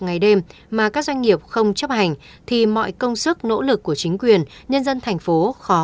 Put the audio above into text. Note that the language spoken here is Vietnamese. ngày đêm mà các doanh nghiệp không chấp hành